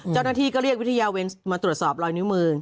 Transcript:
เจ้าหน้าที่ก็เรียกวิทยาเวรมาตรวจสอบรอยนิ้วมือ